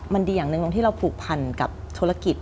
มันดีอย่างหนึ่งตรงที่เราผูกพันกับธุรกิจ